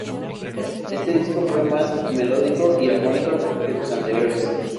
Este disco fue más melódico y armónico que sus anteriores.